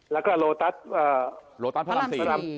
แล้วก็โลตัสพระรำศรี